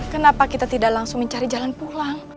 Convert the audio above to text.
kenapa kita tidak langsung mencari jalan pulang